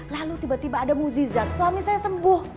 lalu tiba tiba ada muzizat suami saya sembuh